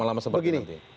lama lama seperti nanti